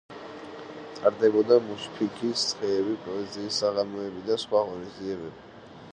ტარდებოდა მუშფიგის დღეები, პოეზიის საღამოები და სხვა ღონისძიებები.